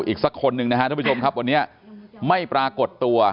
อีกสักคนหนึ่งนะครับท่านผู้ชมครับวันนี้ไม่ปรากฏตัว